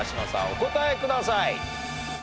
お答えください。